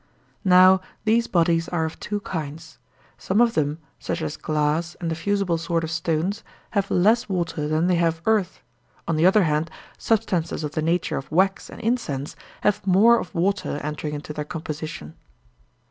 Now these bodies are of two kinds; some of them, such as glass and the fusible sort of stones, have less water than they have earth; on the other hand, substances of the nature of wax and incense have more of water entering into their composition.